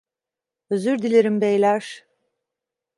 Özür dilerim beyler.